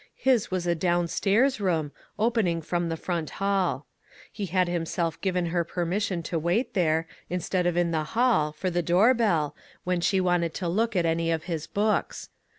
His was a downstairs room, open ing from the front hall. He had himself given her permission to wait there, instead of in the hall, for the door bell, when she wanted to look at any of his books.